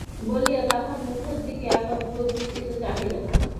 বলিয়া তাহার মুখের দিকে একাগ্রদৃষ্টিতে চাহিলেন।